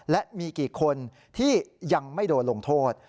และมีกี่คนที่ยังไม่โดนลงโทษ